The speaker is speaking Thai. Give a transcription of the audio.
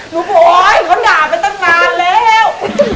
หนูบอกโอ๊ยเขาด่าไปตั้งนานแล้ว